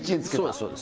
そうです